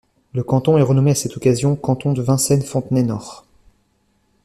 Le canton est renommé à cette occasion Canton de Vincennes-Fontenay-Nord.